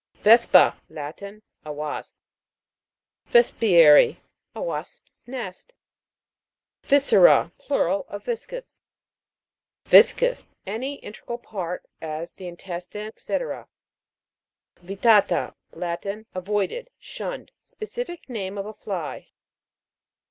VES'PA. Latin. A wasp. VES'PIARY. A wasp's nest. VIS'CERA. Plural of viscus. Vis'cus. Any internal part, as the intestine, &c. VITA'TA. Latin. Avoided, shunned. Specific name of a fly.